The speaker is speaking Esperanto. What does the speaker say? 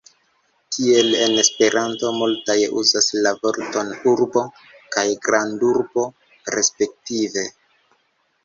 Tiele en Esperanto multaj uzas la vortojn "urbo" kaj grandurbo respektive.